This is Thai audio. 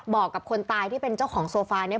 บอกกับคนตายที่เป็นเจ้าของโซฟาเนี่ย